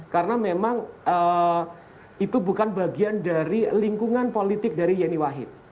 karena memang itu bukan bagian dari lingkungan politik dari yeni wahid